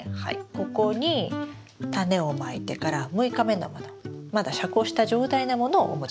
ここにタネをまいてから６日目のものまだ遮光した状態のものをお持ちしました。